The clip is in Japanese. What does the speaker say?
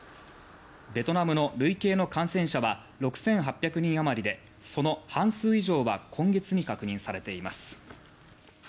ベトナムの累計の感染者は６８００人余りでその半数以上は今月に確認されています。